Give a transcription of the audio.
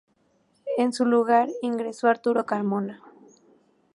En su lugar ingresó Arturo Carmona.